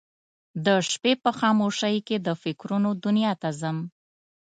د شپې په خاموشۍ کې د فکرونه دنیا ته ځم